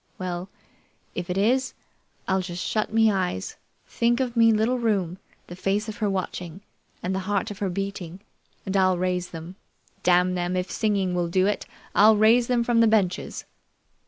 Well, if it is, I'll just shut me eyes, think of me little room, the face of her watching, and the heart of her beating, and I'll raise them. Damn them, if singing will do it, I'll raise them from the benches!"